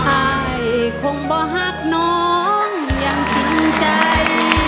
ไอคงบ่หักน้องยังทิ้งใจ